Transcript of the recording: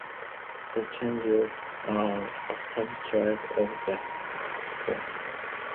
The Chandios are a sub-tribe of the Hooths.